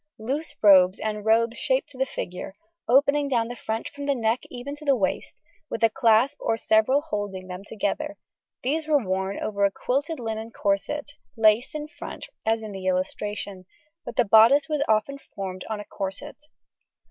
Loose robes and robes shaped to the figure, opening down the front from the neck even to the waist, with a clasp or several holding them together; these were worn over a quilted linen corset laced in front as in the illustration, but the bodice was often formed on a corset.